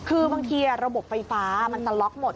คือบางทีระบบไฟฟ้ามันสล็อกหมด